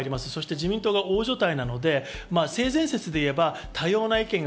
自民党が大所帯なので、性善説で言えば多様な意見が。